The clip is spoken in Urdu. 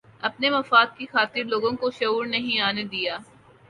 اپنے مفاد کی خاطرلوگوں کو شعور نہیں آنے دیا